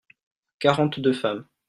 quarante deux femmes.